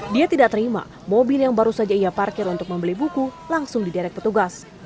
dia tidak terima mobil yang baru saja ia parkir untuk membeli buku langsung diderek petugas